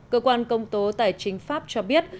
cơ quan công tố tài chính pháp cho biết